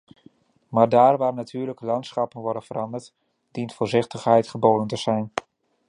Maar daar waar natuurlijke landschappen worden veranderd, dient voorzichtigheid geboden te zijn.